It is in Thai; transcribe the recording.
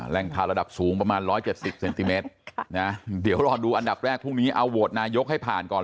ข่าวระดับสูงประมาณ๑๗๐เซนติเมตรนะเดี๋ยวรอดูอันดับแรกพรุ่งนี้เอาโหวตนายกให้ผ่านก่อน